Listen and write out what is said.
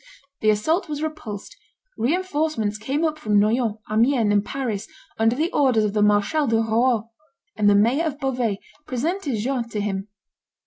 The assault was repulsed; re enforcements came up from Noyon, Amiens, and Paris, under the orders of the Marshal de Rouault; and the mayor of Beauvais presented Joan to him.